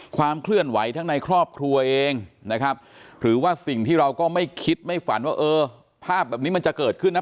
ความเคลื่อนไหวทั้งในครอบครัวเองนะครับหรือว่าสิ่งที่เราก็ไม่คิดไม่ฝันว่าเออภาพแบบนี้มันจะเกิดขึ้นนะ